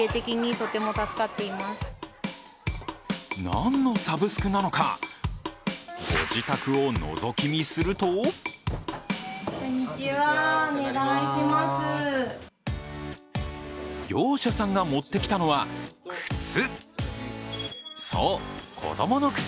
なんのサブスクなのか、ご自宅をのぞき見すると業者さんが持ってきたのは靴。